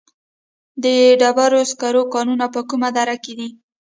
د ډبرو سکرو کانونه په کومه دره کې دي؟